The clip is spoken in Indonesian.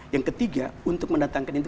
yang ketiga untuk mendatangkan ini